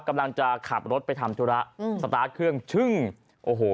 กำลังจะขับรถไปทำธุระอืมสตาร์ทเครื่องชึ่งโอ้โห